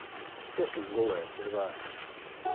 Iesim gulēt, ir vēls!